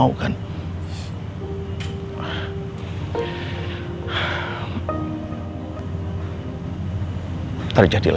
kamu tapi akan terjadi apa